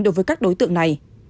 đối với các đối tượng này